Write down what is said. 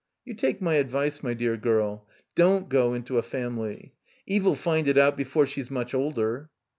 "You take my advice, my dear girl. Don't go into a family. Eve' 11 find it out before she's much older."